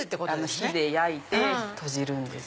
火で焼いて閉じるんです。